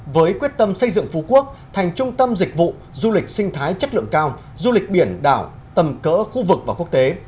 với quyết tâm xây dựng phú quốc thành trung tâm dịch vụ du lịch sinh thái chất lượng cao du lịch biển đảo tầm cỡ khu vực và quốc tế